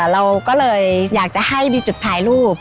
เราก็เลยอยากจะให้มีจุดถ่ายรูป